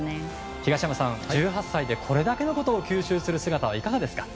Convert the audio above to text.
東山さん１８歳でこれだけのことを吸収する姿いかがですか。